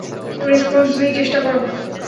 Response নেই চেষ্টা করো।